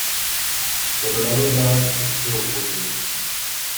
Pero la verdad es que, ocurrió.